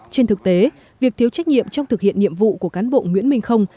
trên thực tế việc thiếu trách nhiệm trong thực hiện nhiệm vụ của cán bộ nguyễn minh không